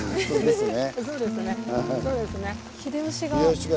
秀吉が。